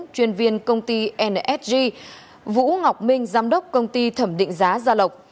chuyên viên công ty nsg vũ ngọc minh giám đốc công ty thẩm định giá gia lộc